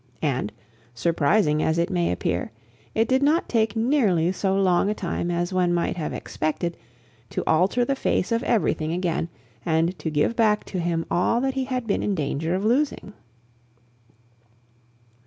And, surprising as it may appear, it did not take nearly so long a time as one might have expected, to alter the face of everything again and to give back to him all that he had been in danger of losing.